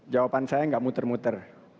jawaban saya nggak muter muter